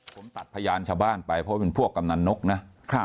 ผมตัดพยานชาวบ้านไปเพราะว่าเป็นพวกกำนันนกนะ